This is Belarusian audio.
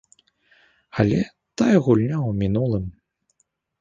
Але тая гульня ў мінулым.